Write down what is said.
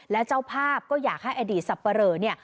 และเจ้าภาพก็อยากให้อดีตสับปะเหลอเนี่ย